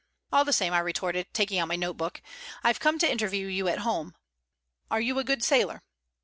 "All the same," I retorted, taking out my note book, "I've come to interview you at home. Are you a good sailor?"